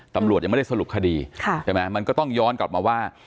ตำรวจยังไม่ได้สรุปคดีใช่ไหมมันก็ต้องย้อนกลับมาว่า